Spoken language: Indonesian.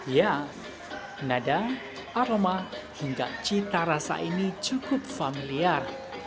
ya nada aroma hingga cita rasa ini cukup familiar